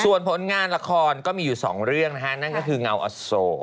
ส่วนผลงานละครก็มีอยู่สองเรื่องนะฮะนั่นก็คือเงาอโซ